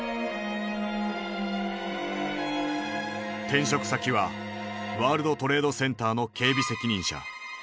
転職先はワールドトレードセンターの警備責任者。